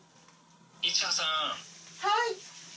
はい！